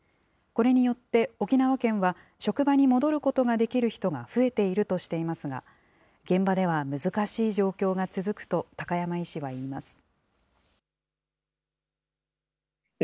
これによって、沖縄県は職場に戻ることができる人が増えているとしていますが、現場では難しい状況が続くと、高山医師は言います。